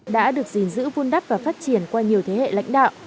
đã được giữ vun đắc và phát triển qua nhiều thế hệ lãnh đạo